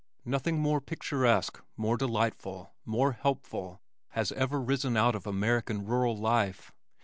Nothing more picturesque, more delightful, more helpful has ever risen out of American rural life.